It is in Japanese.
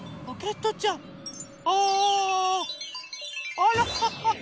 あら。